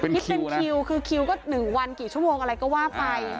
เป็นคิวนะคือคิวก็หนึ่งวันกี่ชั่วโมงอะไรก็ว่าไปอ่า